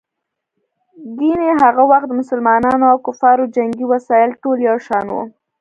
ګیني هغه وخت د مسلمانانو او کفارو جنګي وسایل ټول یو شان وو.